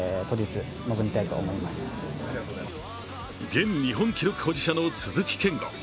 現日本記録保持者の鈴木健吾。